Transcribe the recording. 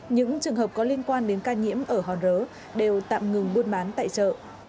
những trường hợp có liên quan đến ca nhiễm ở hòn rớ đều tạm ngừng buôn bán tại chợ